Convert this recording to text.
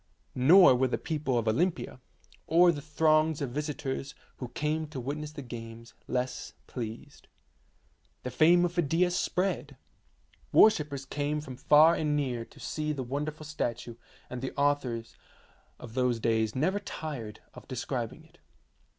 Nor were the people of Olympia, or the throngs of visitors who came to witness the games, less pleased. The fame of Phidias spread. Worshippers came from far and near to see the wonderful statue, and the authors of those days never tired of describing it.